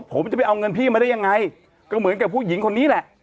ผมจะไปเอาเงินพี่มาได้ยังไงก็เหมือนกับผู้หญิงคนนี้แหละ